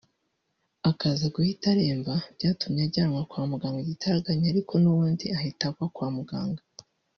akaza guhita aremba byatumye ajyanwa kwa muganga igitaraganya ariko n’ubundi ahita agwa kwa muganga